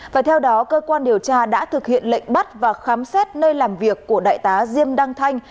và theo đó cơ quan điều tra đã thực hiện lệnh bắt và khám xét nơi làm việc của đại tá diêm đăng thanh